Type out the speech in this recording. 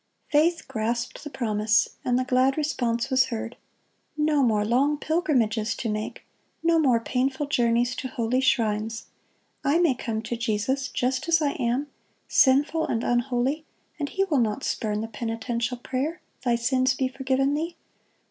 (106) Faith grasped the promise, and the glad response was heard: "No more long pilgrimages to make; no more painful journeys to holy shrines. I may come to Jesus just as I am, sinful and unholy, and He will not spurn the penitential prayer. 'Thy sins be forgiven thee.